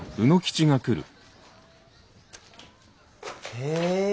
へえ！